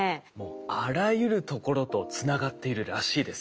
あらゆるところとつながっているらしいですよ。